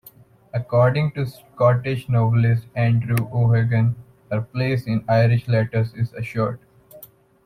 According to Scottish novelist Andrew O'Hagan, her place in Irish letters is assured.